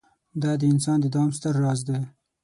دا د انسان د دوام ستر راز دی.